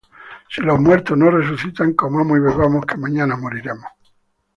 Si los muertos no resucitan, comamos y bebamos, que mañana moriremos.